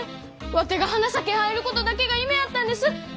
ワテが花咲入ることだけが夢やったんです！